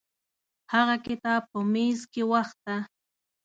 هغه کتاب په میز کې وخته.